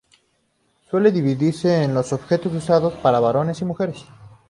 Suele dividirse en los objetos usados por varones y mujeres.